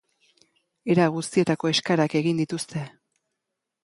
Era guztietako eskaerak egin dituzte.